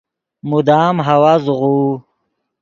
مدام ہوا زوغوؤ